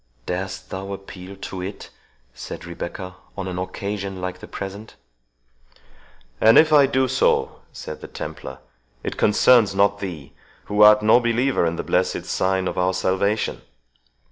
"Darest thou appeal to it," said Rebecca, "on an occasion like the present?" "And if I do so," said the Templar, "it concerns not thee, who art no believer in the blessed sign of our salvation."